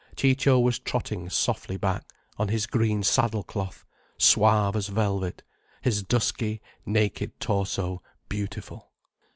Ciccio was trotting softly back, on his green saddle cloth, suave as velvet, his dusky, naked torso beautiful.